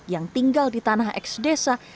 yang tinggal di tanah eks desa